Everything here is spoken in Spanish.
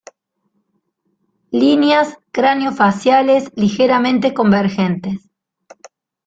Líneas cráneo faciales ligeramente convergentes.